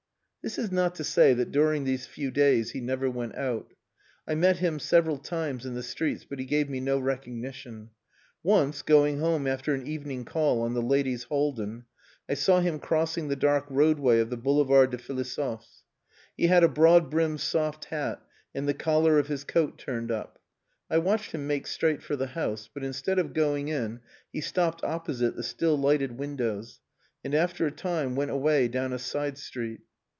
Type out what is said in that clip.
This is not to say that during these few days he never went out. I met him several times in the streets, but he gave me no recognition. Once, going home after an evening call on the ladies Haldin, I saw him crossing the dark roadway of the Boulevard des Philosophes. He had a broad brimmed soft hat, and the collar of his coat turned up. I watched him make straight for the house, but, instead of going in, he stopped opposite the still lighted windows, and after a time went away down a side street.